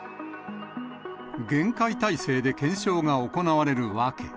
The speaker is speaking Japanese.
厳戒態勢で検証が行われる訳。